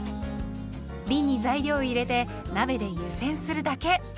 びんに材料を入れて鍋で湯煎するだけ。